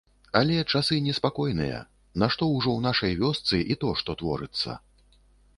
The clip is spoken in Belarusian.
Але, часы неспакойныя, нашто ўжо ў нашай вёсцы, і то што творыцца.